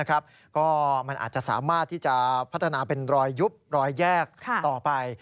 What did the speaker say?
ก็มันอาจจะสามารถที่จะพัฒนาเป็นรอยยุบรอยแยกต่อไป